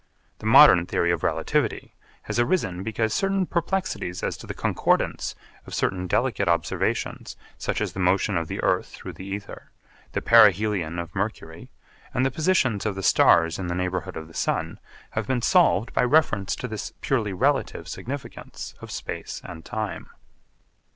The modern theory of relativity has arisen because certain perplexities as to the concordance of certain delicate observations such as the motion of the earth through the ether, the perihelion of mercury, and the positions of the stars in the neighbourhood of the sun, have been solved by reference to this purely relative significance of space and time.